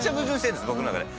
僕の中で。